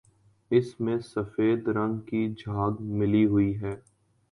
اس میں سفید رنگ کی جھاگ ملی ہوئی ہے